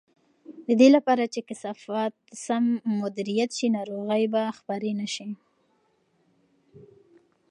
د دې لپاره چې کثافات سم مدیریت شي، ناروغۍ به خپرې نه شي.